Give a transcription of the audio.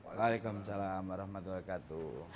waalaikumsalam warahmatullahi wabarakatuh